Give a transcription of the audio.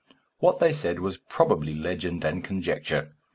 What they said was probably legend and conjecture.